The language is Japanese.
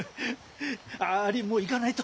アリもう行かないと。